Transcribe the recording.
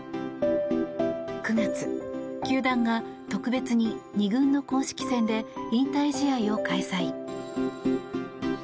９月、球団が特別に２軍の公式戦で引退試合を開催。